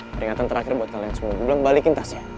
peringatan terakhir buat kalian semua gue bilang balikin tasnya